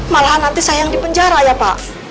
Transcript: malah nanti saya yang dipenjara ya pak